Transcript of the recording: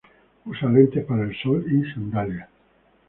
Usa lentes para el sol y sandalias.